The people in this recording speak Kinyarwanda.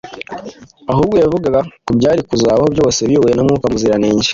ahubwo yavugaga ku byari kuzabaho byose biyobowe na Mwuka Muziranenge.